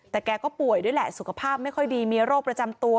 แต่แกก็ป่วยด้วยแหละสุขภาพไม่ค่อยดีมีโรคประจำตัว